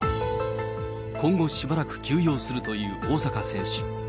今後しばらく休養するという大坂選手。